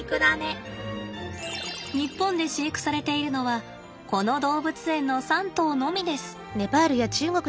日本で飼育されているのはこの動物園の３頭のみです。